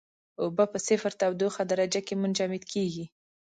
اوبه په صفر تودوخې درجه کې منجمد کیږي.